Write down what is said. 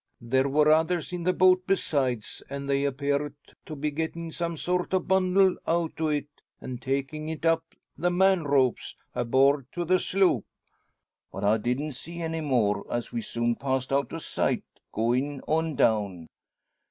There wor others in the boat besides, an' they appeared to be gettin' some sort o' bundle out o' it, an' takin' it up the man ropes, aboard o' the sloop. But I didn't see any more, as we soon passed out o' sight, goin' on down.